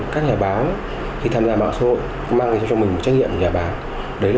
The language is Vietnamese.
các nhà báo khi tham gia báo xã hội mang cho mình trách nhiệm nhà báo